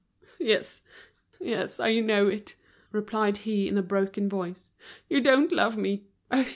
"Yes, yes. I know it," replied he in a broken voice, "you don't love me.